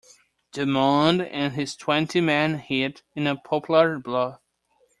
Dumont and his twenty men hid in a poplar bluff.